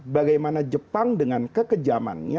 bagaimana jepang dengan kekejamannya